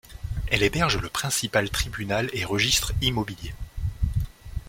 Elle héberge le principal tribunal et registre immobilier.